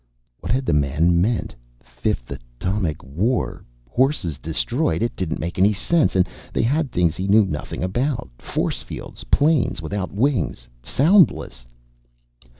What had the man meant? Fifth Atomic War. Horses destroyed. It didn't make sense. And they had things he knew nothing about. Force fields. Planes without wings soundless.